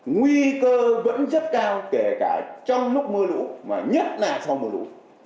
nguy cơ vẫn rất cao kể cả trong lúc mưa lũ mà nhất là sau mưa lũ